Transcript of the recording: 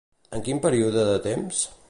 En quin període de temps?